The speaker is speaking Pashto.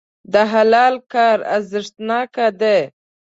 د حلال کار ارزښتناک دی.